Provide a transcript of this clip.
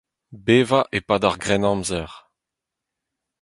Bevañ e-pad ar Grennamzer.